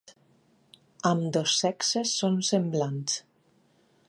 Ambdós sexes són semblants.